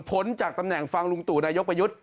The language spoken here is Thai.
จากตำแหน่งฟังลุงตู่นายกประยุทธ์